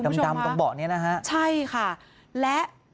จะรับผิดชอบกับความเสียหายที่เกิดขึ้น